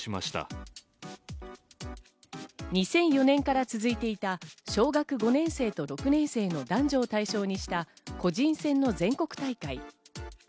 ２００４年から続いていた小学５年生と６年生の男女を対象にした個人戦の全国大会。